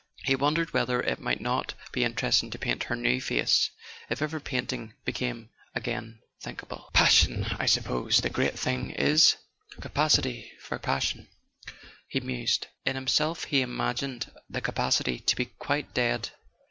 He wondered whether it might not be interesting to paint her new face, if ever painting became again thinkable. [ 175 ] A SON AT THE FRONT "Passion—I suppose the great thing is a capacity for passion/' he mused. In himself he imagined the capacity to be quite dead.